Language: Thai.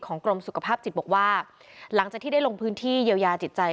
กรมสุขภาพจิตบอกว่าหลังจากที่ได้ลงพื้นที่เยียวยาจิตใจ